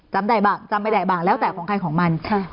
จำใดบ่างจำไปใดบ่างแล้วแต่ของใครของมัน